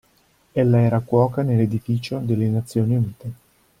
Ella era cuoca nell'edificio delle Nazioni Unite.